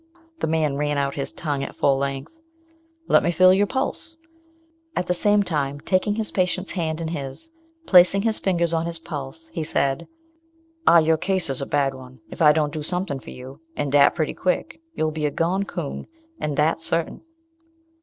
The man ran out his tongue at full length. "Let me feel your pulse," at the same time taking his patient's hand in his, placing his fingers on his pulse, he said, "Ah, your case is a bad one; if I don't do something for you, and dat pretty quick, you'll be a gone coon, and dat's sartin."